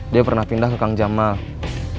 dia pernah pindah ke kang jaman